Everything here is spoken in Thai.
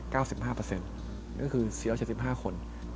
ก็คือ๔๗๕คน